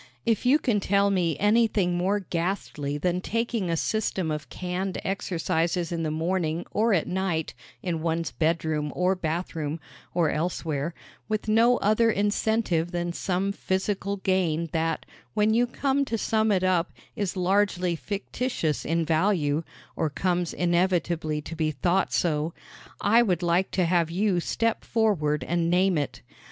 If you can tell me anything more ghastly than taking a system of canned exercises in the morning or at night in one's bedroom or bathroom, or elsewhere, with no other incentive than some physical gain that, when you come to sum it up, is largely fictitious in value or comes inevitably to be thought so I would like to have you step forward and name it.